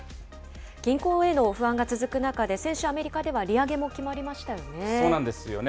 銀行への不安が続く中で、先週、アメリカでは利上げも決まりそうなんですよね。